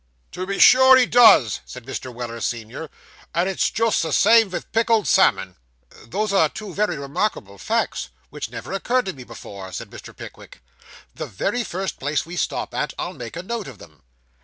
'To be sure he does,' said Mr. Weller, senior; 'and it's just the same vith pickled salmon!' 'Those are two very remarkable facts, which never occurred to me before,' said Mr. Pickwick. 'The very first place we stop at, I'll make a note of them.